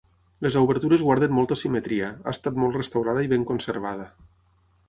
Les obertures guarden molta simetria, ha estat molt restaurada i ben conservada.